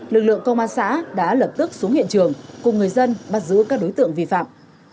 lực lượng công an xã đã lập tức xuống hiện trường cùng người dân bắt giữ các đối tượng vi phạm